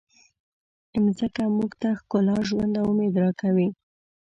مځکه موږ ته ښکلا، ژوند او امید راکوي.